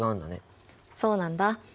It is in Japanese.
そうなんだ。